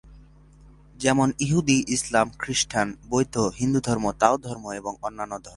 যেমন: ইহুদী, ইসলাম, খ্রিস্টান, বৌদ্ধ, হিন্দু ধর্ম, তাও ধর্ম এবং অন্যান্য ধর্ম।